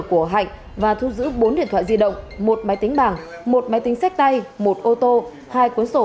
của hạnh và thu giữ bốn điện thoại di động một máy tính bảng một máy tính sách tay một ô tô hai cuốn sổ